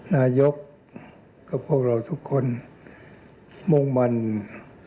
นายกกับพวกเราทุกคนมุ่งมันจะนำความสุข